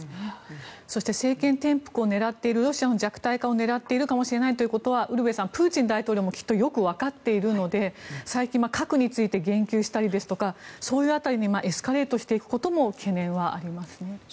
そして政権転覆を狙っているロシアの弱体化を狙っているかもしれないということはウルヴェさん、プーチン大統領もきっとよくわかっているので最近、核について言及したりですとかそういう辺りにエスカレートしていくことも懸念はありますね。